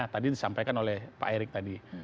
tadi disampaikan oleh pak erick tadi